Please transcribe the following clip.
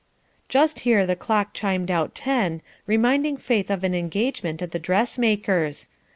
Just here the clock chimed out ten, reminding Faith of an engagement at the dressmaker's.